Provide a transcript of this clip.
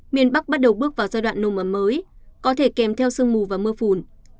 miền bắc bắt đầu bước vào giai đoạn nồm ẩm mới có thể kèm theo sương mù và mưa phùn